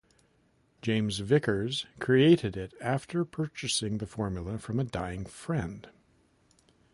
James Vickers created it after purchasing the formula from a dying friend.